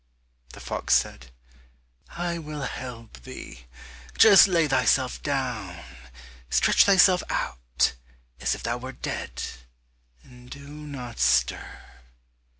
The fox said, "I will help thee, just lay thyself down, stretch thyself out, as if thou wert dead, and do not stir."